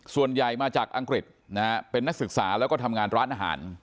ส่วนใหญ่มาจากอังกฤษนะฮะเป็นนักศึกษาแล้วก็ทำงานร้านอาหาร